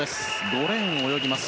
５レーンを泳ぎます。